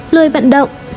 bốn lời vận động